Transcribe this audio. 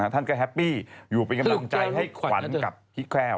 ท่านก็แฮปปี้อยู่เป็นกำลังใจให้ขวัญกับพี่แคล่ว